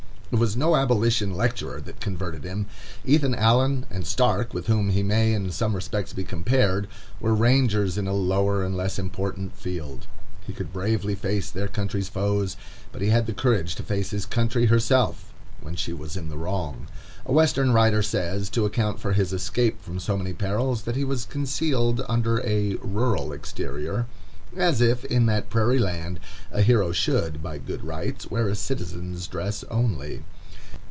It was no abolition lecturer that converted him. Ethan Allen and Stark, with whom he may in some respects be compared, were rangers in a lower and less important field. They could bravely face their country's foes, but he had the courage to face his country herself, when she was in the wrong. A Western writer says, to account for his escape from so many perils, that he was concealed under a "rural exterior"; as if, in that prairie land, a hero should, by good rights, wear a citizen's dress only.